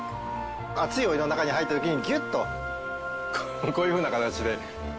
熱いお湯の中に入った時にギュッとこういうふうな形で。